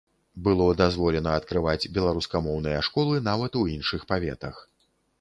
Было дазволена адкрываць беларускамоўныя школы нават у іншых паветах.